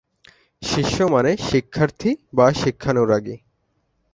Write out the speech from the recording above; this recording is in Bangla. শিষ্য মানে শিক্ষার্থী বা শিক্ষানুরাগী।